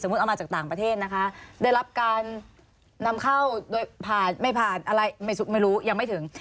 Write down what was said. เอามาจากต่างประเทศนะคะได้รับการนำเข้าโดยผ่านไม่ผ่านอะไรไม่รู้ยังไม่ถึง